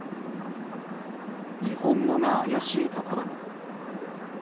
日本語が怪しいところも。